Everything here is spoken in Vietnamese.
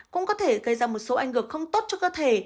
cũng có thể gây ra một số ảnh gợc không tốt cho cơ thể